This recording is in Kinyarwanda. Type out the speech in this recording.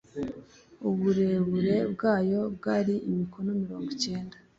uburebure bwayo bwari imikono mirongo cyenda